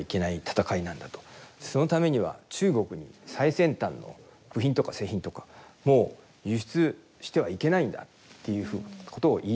「そのためには中国に最先端の部品とか製品とかもう輸出してはいけないんだ」というふうなことを言いだしたわけです。